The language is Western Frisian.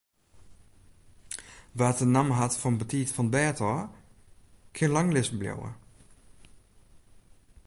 Wa't de namme hat fan betiid fan 't bêd ôf, kin lang lizzen bliuwe.